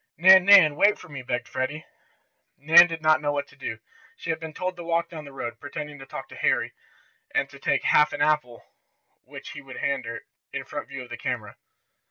"Nan, Nan! Wait for me!" begged Freddie. Nan did not know what to do. She had been told to walk down the road, pretending to talk to Harry, and to take half an apple which he would hand her, in view of the camera.